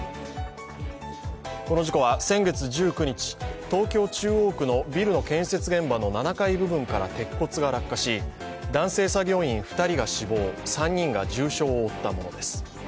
この事故は先月１９日東京・中央区のビルの建設現場の７階部分から鉄骨が落下し、男性作業員２人が死亡、３人が重傷をおったものです。